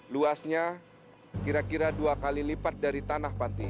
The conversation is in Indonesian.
luasnya kira kira dua kali lipat dari tanah panti